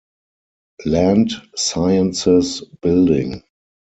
Land Sciences Building.